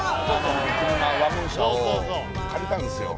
車をワゴン車を借りたんですよ